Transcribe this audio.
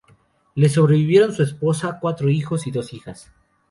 Le sobrevivieron su esposa, cuatro hijos y dos hijas.